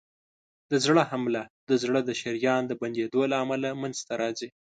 د زړه حمله د زړه د شریان د بندېدو له امله منځته راځي.